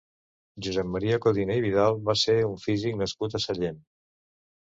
Josep Maria Codina i Vidal va ser un físic nascut a Sallent.